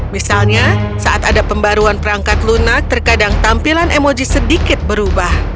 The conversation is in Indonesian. misalnya saat ada pembaruan perangkat lunak terkadang tampilan emoji sedikit berubah